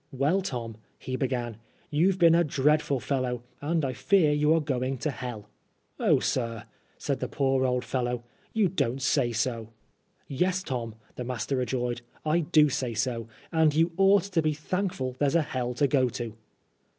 "Well, Tom," he began, "you've been a dreadful fellow, and I fear you are going to hell." " Oh, sir," said the poor old fellow, "you don't say so." "Yes, Tom," the master rejoined, " I do say so ; and you ought to be thankful there's a hell to go to."